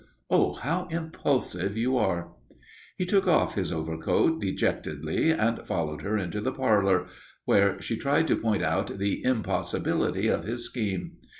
Oh, how impulsive you are!" He took off his overcoat dejectedly and followed her into the parlour, where she tried to point out the impossibility of his scheme.